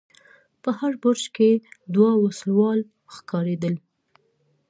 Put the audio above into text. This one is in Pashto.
په هر برج کې دوه وسلوال ښکارېدل.